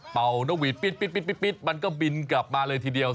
นกหวีดปิ๊ดมันก็บินกลับมาเลยทีเดียว